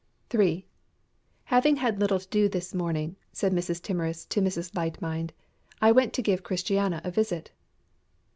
3. "Having had little to do this morning," said Mrs. Timorous to Mrs. Light mind, "I went to give Christiana a visit."